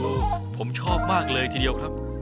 อื้มชิมหน่อย